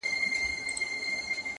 ور نیژدې یوه جاله سوه په څپو کي،